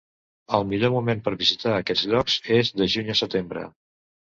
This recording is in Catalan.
El millor moment per visitar aquests llocs és de juny a setembre.